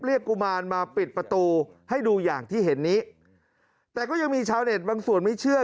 กุมารมาปิดประตูให้ดูอย่างที่เห็นนี้แต่ก็ยังมีชาวเน็ตบางส่วนไม่เชื่อ